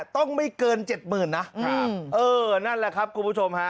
ต้องไม่เกิน๗๐๐นะครับเออนั่นแหละครับคุณผู้ชมฮะ